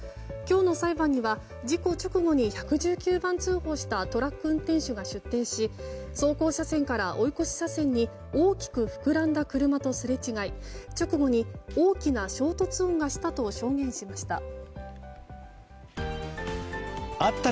今日の裁判には事故直後に１１９番通報したトラック運転手が出廷し走行車線から追い越し車線に大きく膨らんだ車とすれ違い直後に大きな衝突音がしたと証言しました。